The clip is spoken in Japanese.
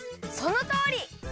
そのとおり！